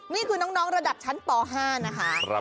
นี่คือน้องระดับชั้นป๕นะคะ